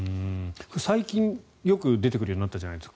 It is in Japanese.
最近、よく出てくるようになったじゃないですか。